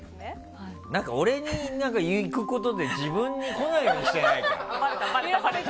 何か、俺に行くことで自分に来ないようにしてないか？